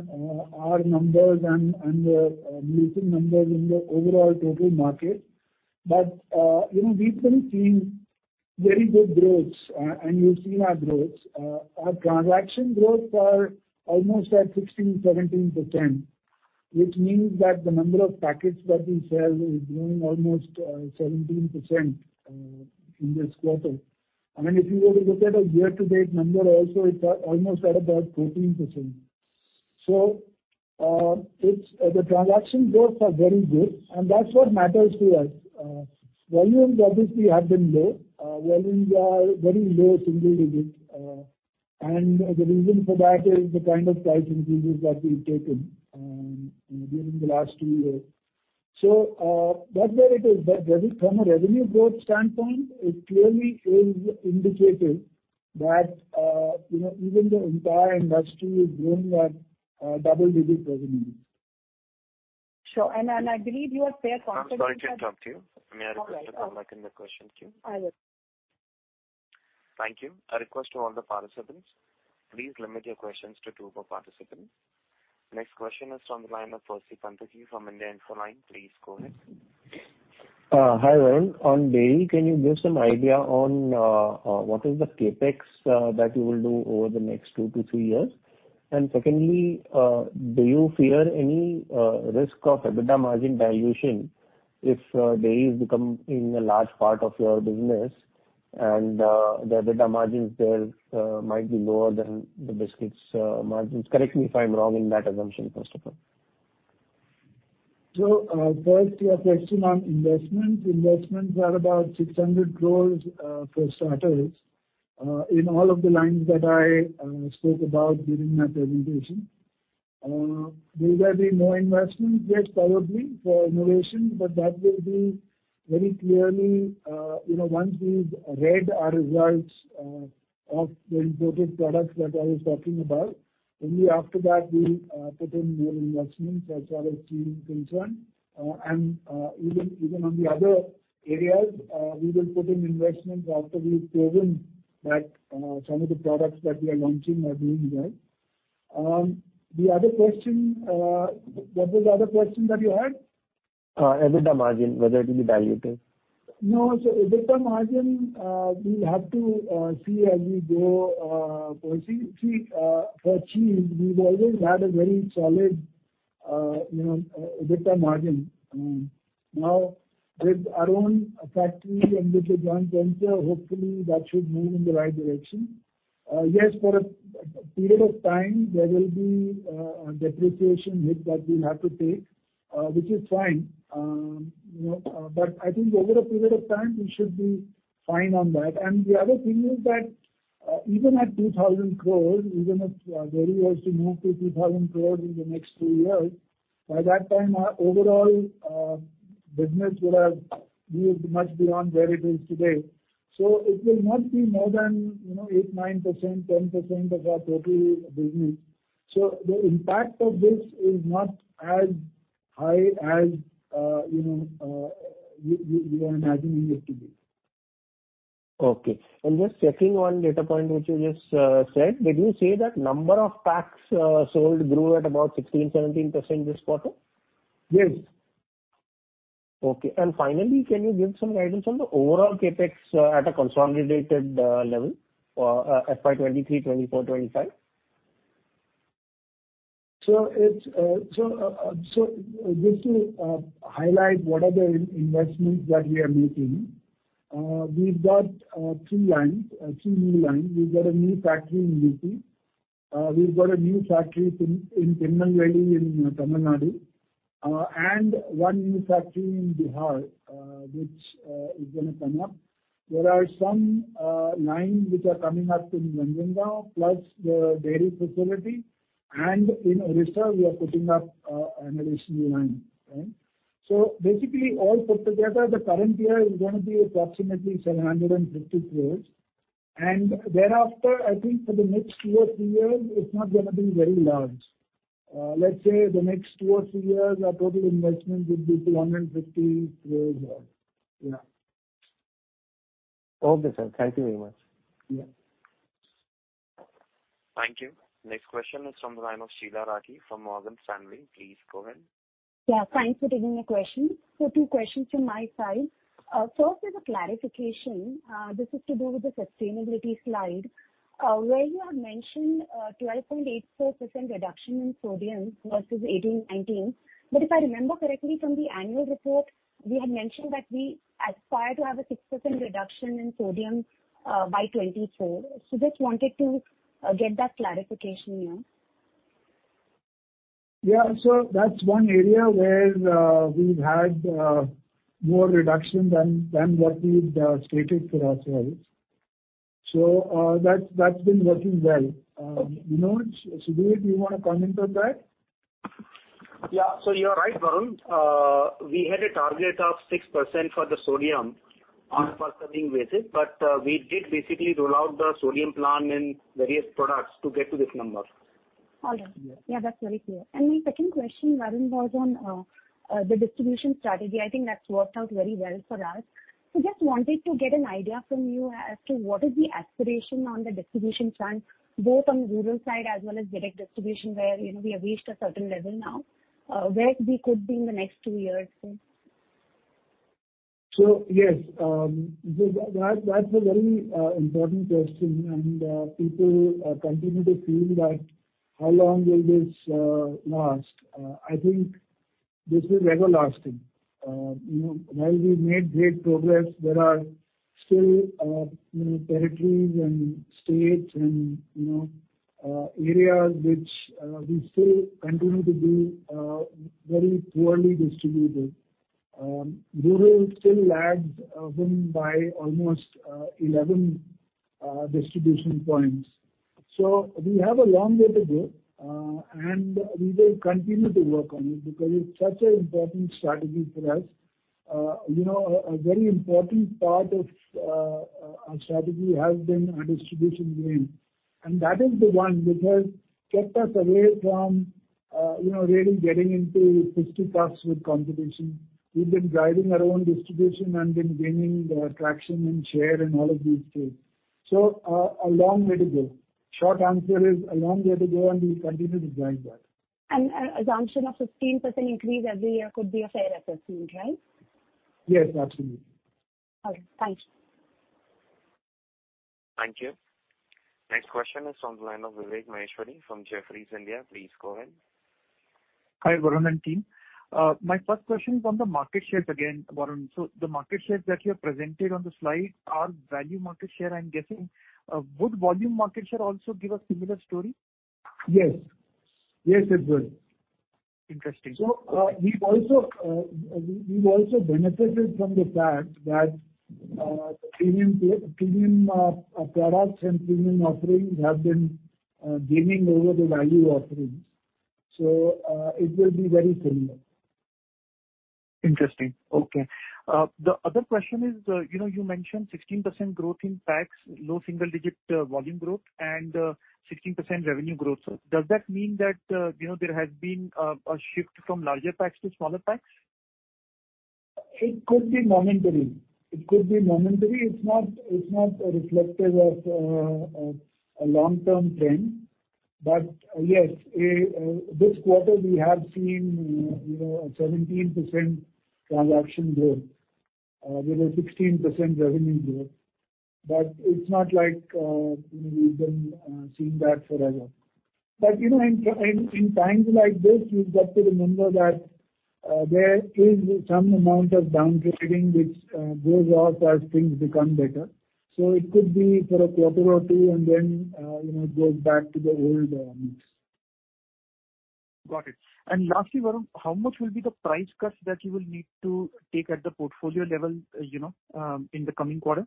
our numbers and the leasing numbers in the overall total market. You know, we've been seeing very good growths. You've seen our growths. Our transaction growth are almost at 16-17%, which means that the number of packets that we sell is growing almost 17% in this quarter. If you were to look at a year-to-date number also it's at almost at about 14%. The transaction growths are very good, and that's what matters to us. Volumes have been low. Volumes are very low single digits. The reason for that is the kind of price increases that we've taken during the last 2 years. That's where it is. From a revenue growth standpoint, it clearly is indicating that, you know, even the entire industry is growing at a double-digit%. Sure. I believe you are fair confident-. I'm sorry to interrupt you. May I request you to come back in the question queue? I will. Percy Panthaki from India Infoline. Hi, Varun. On dairy, can you give some idea on what is the CapEx that you will do over the next 2 to 3 years? Secondly, do you fear any risk of EBITDA margin dilution if dairy is becoming a large part of your business and the EBITDA margins there might be lower than the biscuits margins? Correct me if I'm wrong in that assumption, first of all. First, your question on investment. Investments are about 600 crores for starters, in all of the lines that I spoke about during my presentation. Will there be more investment? Yes, probably for innovation, but that will be very clearly, you know, once we've read our results, of the imported products that I was talking about. Only after that we'll put in more investments as far as cheese is concerned. Even, even on the other areas, we will put in investments after we've proven that some of the products that we are launching are doing well. The other question, what was the other question that you had? EBITDA margin, whether it will be dilutive. No. EBITDA margin, we'll have to see as we go proceeding. See, for cheese, we've always had a very solid, you know, EBITDA margin. Now, with our own factory and with the joint venture, hopefully that should move in the right direction. Yes, for a period of time, there will be a depreciation hit that we'll have to take, which is fine. You know, I think over a period of time, we should be fine on that. The other thing is that, even at 2,000 crores, even if dairy was to move to 2,000 crores in the next 2 years, by that time our overall business would have moved much beyond where it is today. It will not be more than, you know, 8%, 9%, 10% of our total business. The impact of this is not as high as, you know, you are imagining it to be. Okay. Just checking one data point which you just said. Did you say that number of packs sold grew at about 16, 17% this quarter? Yes. Okay. Finally, can you give some guidance on the overall CapEx at a consolidated level for FY '23, 2024, 2025? It's just to highlight what are the investments that we are making. We've got 2 lines, 2 new lines. We've got a new factory in UT. We've got a new factory in Tenali in Tamil Nadu. 1 new factory in Bihar, which is gonna come up. There are some lines which are coming up in Raniganj, plus the dairy facility. In Orissa, we are putting up an additional line. Right? Basically, all put together, the current year is gonna be approximately 750 crores. Thereafter, I think for the next 2 or 3 years, it's not gonna be very large. Let's say the next 2 or 3 years, our total investment would be 250 crores. Okay, sir. Thank you very much. Yeah. Sheela Rathi from Morgan Stanley. Thanks for taking the question. Two questions from my side. First is a clarification. This is to do with the sustainability slide, where you have mentioned 12.84% reduction in sodium versus 2018-2019. If I remember correctly from the annual report, we had mentioned that we aspire to have a 6% reduction in sodium by 2024. Just wanted to get that clarification. Yeah. That's one area where we've had more reduction than what we've stated for ourselves. That's been working well. You know what, Sujit, do you wanna comment on that? Yeah. You are right, Varun. We had a target of 6% for the sodium on per serving basis. We did basically roll out the sodium plan in various products to get to this number. All right. Yeah. Yeah, that's very clear. My second question, Varun, was on the distribution strategy. I think that's worked out very well for us. Just wanted to get an idea from you as to what is the aspiration on the distribution front, both on the rural side as well as direct distribution, where, you know, we have reached a certain level now. Where we could be in the next 2 years say? Yes, that's a very important question. People continue to feel that how long will this last. I think this is everlasting. You know, while we've made great progress, there are still, you know, territories and states and, you know, areas which we still continue to be very poorly distributed. Rural still lags urban by almost 11 distribution points. We have a long way to go, and we will continue to work on it because it's such an important strategy for us. You know, a very important part of our strategy has been our distribution gain. That is the one which has kept us away from, you know, really getting into fisticuffs with competition. We've been driving our own distribution and been gaining traction and share in all of these things. A long way to go. Short answer is a long way to go, and we'll continue to drive that. Assumption of 15% increase every year could be a fair assessment, right? Yes, absolutely. All right, thanks. Vivek Maheshwari from Jefferies India. Hi, Varun and team. My first question is on the market shares again, Varun. The market shares that you have presented on the slide are value market share, I'm guessing. Would volume market share also give a similar story? Yes. Yes, it would. Interesting. We've also benefited from the fact that, the premium products and premium offerings have been gaining over the value offerings. It will be very similar. Interesting. Okay. The other question is, you know, you mentioned 16% growth in packs, low single-digit volume growth and 16% revenue growth. Does that mean that, you know, there has been a shift from larger packs to smaller packs? It could be momentary. It could be momentary. It's not, it's not reflective of a long-term trend. Yes, this quarter we have seen 17% transaction growth with a 16% revenue growth. It's not like we've been seeing that forever. In times like this, you've got to remember that there is some amount of downgrading which goes off as things become better. It could be for a quarter or 2, and then it goes back to the old mix. Got it. Lastly, Varun, how much will be the price cuts that you will need to take at the portfolio level, you know, in the coming quarter?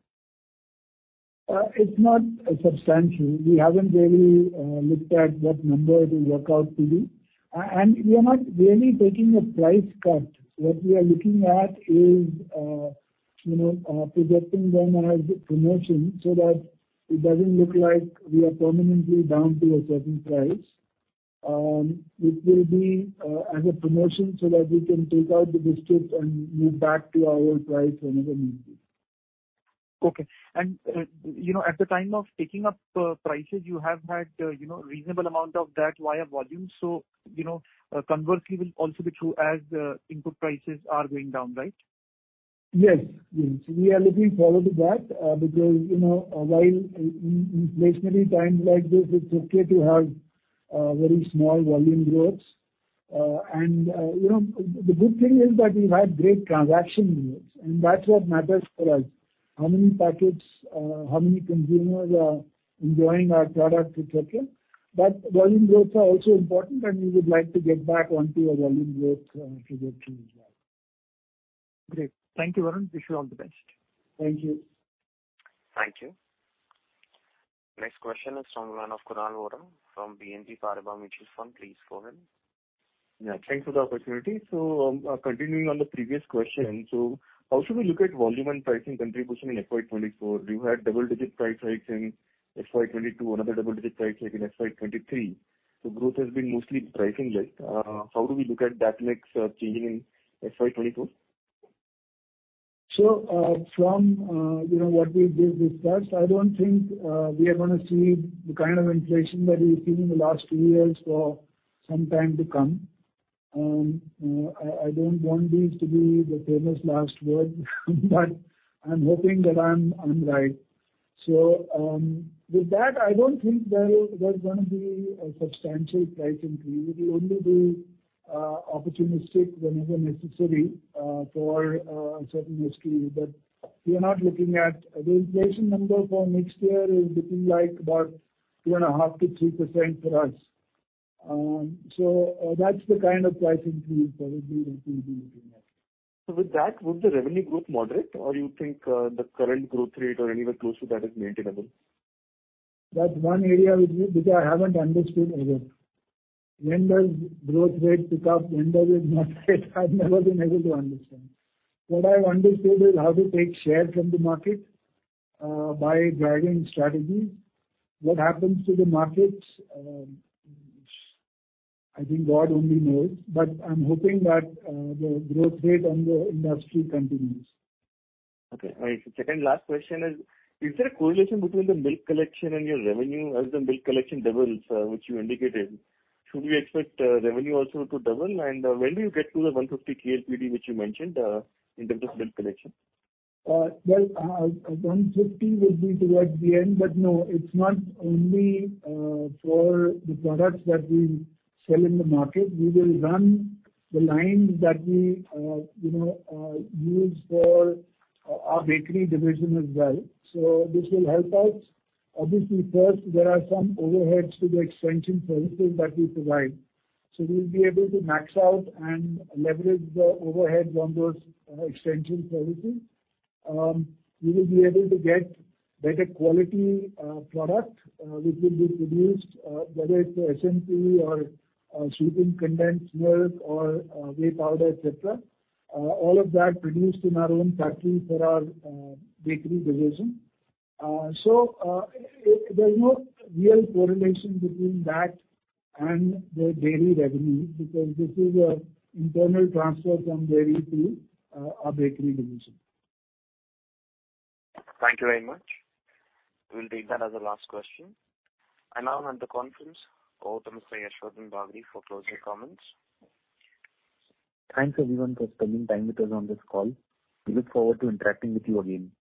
It's not substantial. We haven't really looked at what number it will work out to be. We are not really taking a price cut. What we are looking at is, you know, projecting them as promotion so that it doesn't look like we are permanently down to a certain price. It will be as a promotion so that we can take out the discount and move back to our old price whenever needed. Okay. You know, at the time of taking up prices, you have had, you know, reasonable amount of that via volume. You know, conversely will also be true as the input prices are going down, right? Yes. Yes. We are looking forward to that, because, you know, while in inflationary times like this, it's okay to have very small volume growths. You know, the good thing is that we've had great transaction growth, and that's what matters for us. How many packets, how many consumers are enjoying our product. But volume growths are also important, and we would like to get back onto a volume growth, if we get to as well. Great. Thank you, Varun. Wish you all the best. Thank you. Kunal Vora from BNP Paribas Mutual Fund. Yeah, thanks for the opportunity. Continuing on the previous question, how should we look at volume and pricing contribution in FY 2024? You had double-digit price hikes in FY 2022, another double-digit price hike in FY '23. Growth has been mostly pricing led. How do we look at that mix changing in FY 2024? From, you know, what we discussed, I don't think we are gonna see the kind of inflation that we've seen in the last 2 years for some time to come. I don't want this to be the famous last word, but I'm hoping that I'm right. With that, I don't think there's gonna be a substantial price increase. It will only be opportunistic whenever necessary for a certain SKU. We are not looking at The inflation number for next year is looking like about 2.5%-3% for us. That's the kind of pricing increase that we're looking to do next. With that, would the revenue growth moderate, or you think, the current growth rate or anywhere close to that is maintainable? That's one area which I haven't understood either. When does growth rate pick up? When does it not? I've never been able to understand. What I've understood is how to take share from the market by driving strategy. What happens to the markets, I think God only knows. I'm hoping that the growth rate on the industry continues. Okay. All right. Second last question is there a correlation between the milk collection and your revenue as the milk collection doubles, which you indicated? Should we expect revenue also to double? When do you get to the 150 KLPD, which you mentioned, in terms of milk collection? Well, 150 would be towards the end. No, it's not only for the products that we sell in the market. We will run the lines that we, you know, use for our bakery division as well. This will help us. First there are some overheads to the extension services that we provide. We'll be able to max out and leverage the overheads on those extension services. We will be able to get better quality product which will be produced whether it's SMP or sweetened condensed milk or whey powder. All of that produced in our own factory for our bakery division. There's no real correlation between that and the dairy revenue, because this is a internal transfer from dairy to our bakery division. Thanks, everyone, for spending time with us on this call. Thanks, everyone, for spending time with us on this call. We look forward to interacting with you again.